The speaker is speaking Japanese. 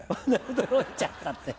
驚いちゃったって。